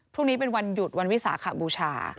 พรุ่งนี้เป็นวันหยุดวันวิสาขบูชา